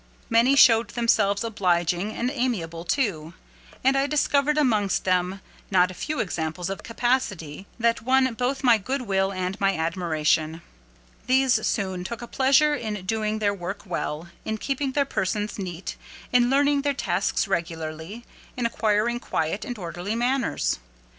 Many showed themselves obliging, and amiable too; and I discovered amongst them not a few examples of natural politeness, and innate self respect, as well as of excellent capacity, that won both my goodwill and my admiration. These soon took a pleasure in doing their work well, in keeping their persons neat, in learning their tasks regularly, in acquiring quiet and orderly manners.